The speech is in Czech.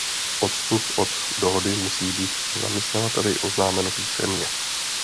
Odstup od dohody musí být zaměstnavateli oznámeno písemně.